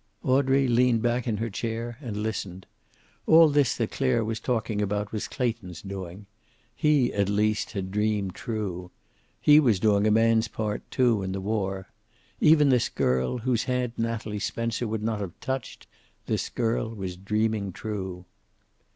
Audrey leaned back in her chair and listened. All this that Clare was talking about was Clayton's doing. He at least had dreamed true. He was doing a man's part, too, in the war. Even this girl, whose hand Natalie Spencer would not have touched, this girl was dreaming true.